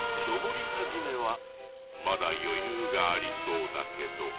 上り始めはまだ余裕がありそうだけど。